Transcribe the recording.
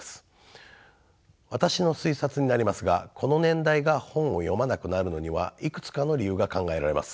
私の推察になりますがこの年代が本を読まなくなるのにはいくつかの理由が考えられます。